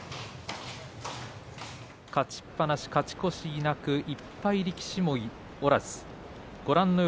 勝ちっぱなし、勝ち越しなく１敗力士もいません。